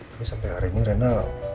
tapi sampai hari ini rena